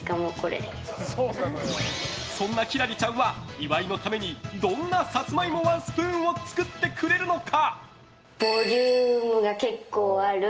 そんな輝星ちゃんは岩井のためにどんなサツマイモワンスプーンを作ってくれるのか。